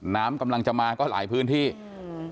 น้ำกำลังจะมาก็หลายพื้นที่อืม